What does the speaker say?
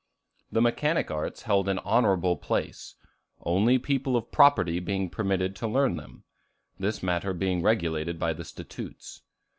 The mechanic arts held an honorable place, only people of property being permitted to learn them; this matter being regulated by the statutes.